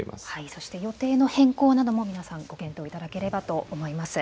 そして予定の変更なども皆さんご検討いただければと思います。